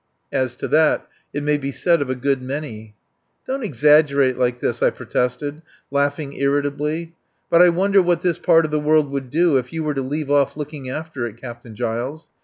"As to that, it may be said of a good many." "Don't exaggerate like this!" I protested, laughing irritably. "But I wonder what this part of the world would do if you were to leave off looking after it, Captain Giles?